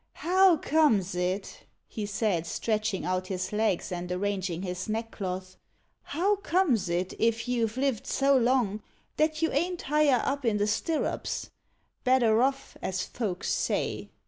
"How comes it," he said, stretching out his legs, and arranging his neckcloth, "how comes it, if you've lived so long, that you ain't higher up in the stirrups better off, as folks say?"